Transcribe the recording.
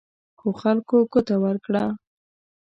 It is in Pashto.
خو خلکو ګوته ورکړه.